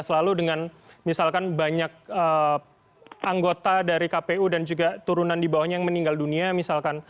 dua ribu sembilan belas lalu dengan misalkan banyak anggota dari kpu dan juga turunan di bawahnya yang meninggal dunia misalkan